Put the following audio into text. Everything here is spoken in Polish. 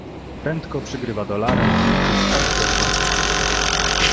Prędko przegrywa dolara i idzie spać do sionki.